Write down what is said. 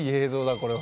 これは。